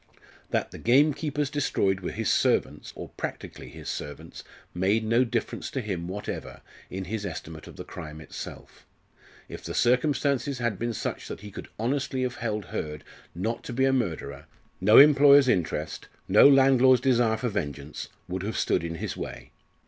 That the gamekeepers destroyed were his servants, or practically his servants, made no difference to him whatever in his estimate of the crime itself. If the circumstances had been such that he could honestly have held Hurd not to be a murderer, no employer's interest, no landlord's desire for vengeance, would have stood in his way.